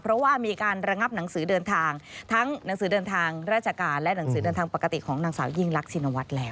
เพราะว่ามีการระงับหนังสือเดินทางทั้งหนังสือเดินทางราชการและหนังสือเดินทางปกติของนางสาวยิ่งรักชินวัฒน์แล้ว